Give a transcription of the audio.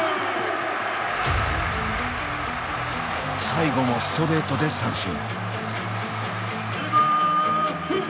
最後もストレートで三振。